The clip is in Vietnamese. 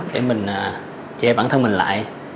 để mình chạy bản thân mình lại